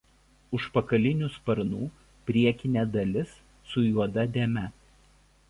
Užpakalinių sparnų priekinė dalis su juoda dėme.